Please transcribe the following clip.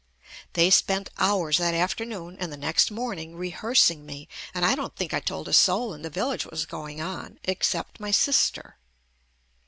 They spent hours that afternoon and the next morning rehearsing me, and I don't think I told a soul in the village what was going on, except my sister.